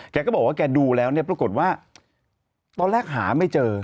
แกก็บอกว่าแกดูแล้วเนี่ยปรากฏว่าตอนแรกหาไม่เจอ